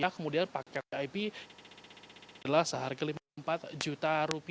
kemudian paket ip adalah seharga rp lima puluh empat juta